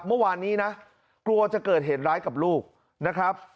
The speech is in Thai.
เมื่อวานนี้นะกลัวจะเกิดเหตุร้ายกับลูกนะครับ